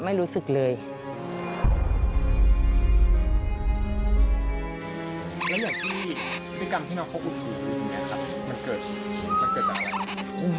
มันเกิดจากมันจะเกิดจากอะไร